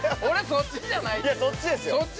◆そっちじゃない。